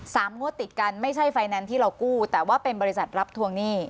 งวดติดกันไม่ใช่ไฟแนนซ์ที่เรากู้แต่ว่าเป็นบริษัทรับทวงหนี้